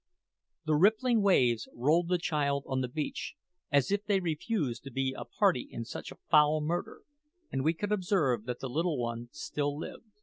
The rippling waves rolled the child on the beach, as if they refused to be a party in such a foul murder, and we could observe that the little one still lived.